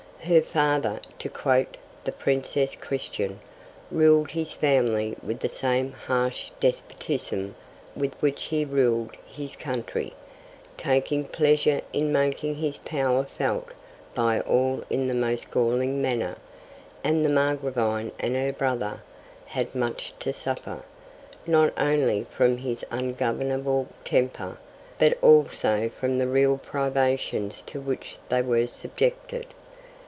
Her father, to quote the Princess Christian, 'ruled his family with the same harsh despotism with which he ruled his country, taking pleasure in making his power felt by all in the most galling manner,' and the Margravine and her brother 'had much to suffer, not only from his ungovernable temper, but also from the real privations to which they were subjected.'